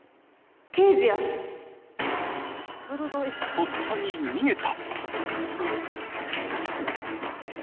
とっさに逃げた！